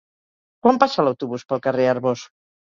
Quan passa l'autobús pel carrer Arbós?